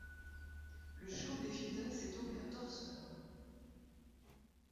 Le champ des vitesses est donc un torseur.